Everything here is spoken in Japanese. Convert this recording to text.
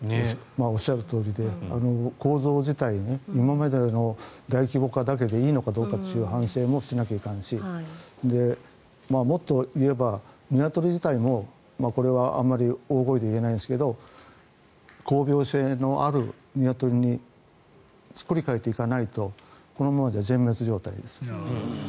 おっしゃるとおりで構造自体に今までの大規模化だけでいいのかという話もしないといけないしもっと言えばニワトリ自体もこれはあまり大声では言えないですけど抗病性のあるニワトリに作り替えていかないとこのままじゃ全滅状態です。